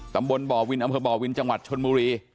ตำบลบ่อวินอำเภอบ่อวินจังหวัดชนบุรี